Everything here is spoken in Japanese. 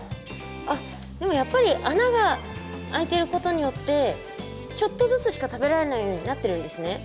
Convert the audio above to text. あっでもやっぱり穴が開いてることによってちょっとずつしか食べられないようになってるんですね。